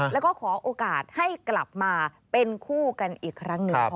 แล้วก็ขอโอกาสให้กลับมาเป็นคู่กันอีกครั้งหนึ่ง